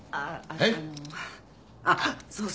えっ？